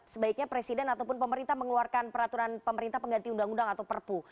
sebaiknya presiden ataupun pemerintah mengeluarkan peraturan pemerintah pengganti undang undang atau perpu